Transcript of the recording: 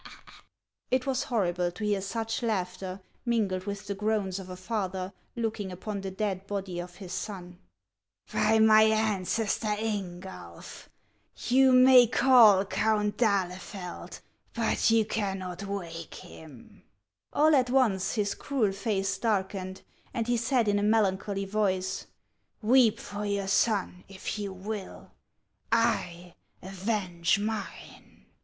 It was horrible to hear such laughter mingled with the groans of a father looking upon the dead body of his sou. " By my ancestor Ingulf! you may call, Count d'Ahle feld, but you cannot wake him." All at once his cruel face darkened, and he said in a melancholy voice :" Weep for your son, if you will ; I avenge mine."